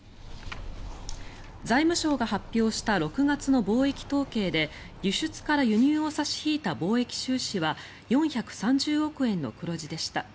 財務省が発表した６月の貿易統計で輸出から輸入を差し引いた貿易収支は４３０億円の黒字でした。